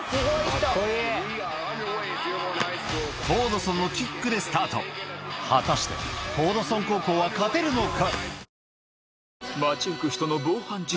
フォードソンのキックでスタート果たしてフォードソン高校は勝てるのか？